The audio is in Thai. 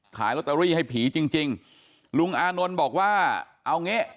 ขายล็อเตอรี่ให้ผีจริงลุงอานนลบอกว่าเอาเง้